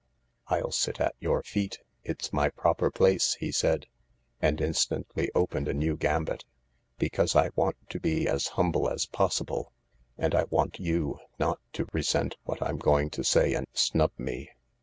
" I'll sit at your feet. It's my proper place," he said, and instantly opened a new gambit ;" because I want to be as humble as possible, and I want you not to resent what I'm going to say and snub me.